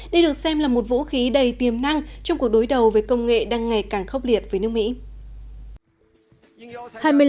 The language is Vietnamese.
đây được xem là một vũ khí đầy tiềm năng trong cuộc đối đầu với công nghệ đang ngày càng khốc liệt với nước mỹ